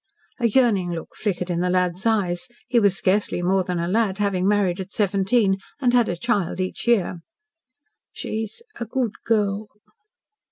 A yearning look flickered in the lad's eyes he was scarcely more than a lad, having married at seventeen, and had a child each year. "She's a good girl."